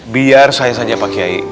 biar saya saja pak kiai